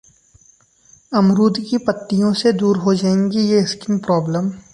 अमरूद की पत्तियों से दूर हो जाएंगी ये स्किन प्रॉब्लम